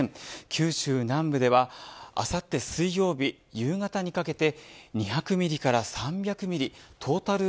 九州南部では、あさって水曜日夕方にかけて２００ミリから３００ミリトータル